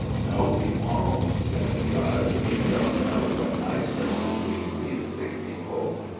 "No, we won't," said Budge. "You don't know what nice nurses we can be to sick people.